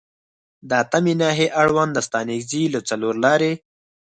د اتمې ناحیې اړوند د ستانکزي له څلورلارې